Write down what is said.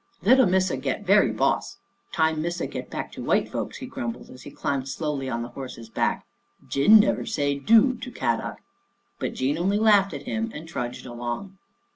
" Little Missa get very boss. Time Missa get back to white folks," he grumbled, as he climbed slowly on the horse's back. " Gin never say ' do ' to Kadok," but Jean only laughed at him and trudged along.